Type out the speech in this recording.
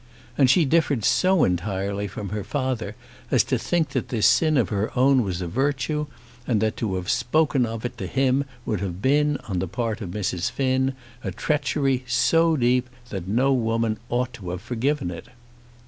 And she differed so entirely from her father as to think that this sin of her own was a virtue, and that to have spoken of it to him would have been, on the part of Mrs. Finn, a treachery so deep that no woman ought to have forgiven it!